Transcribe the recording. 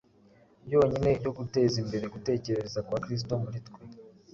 yonyine yo guteza imbere gutekereza kwa Kristo muri twe.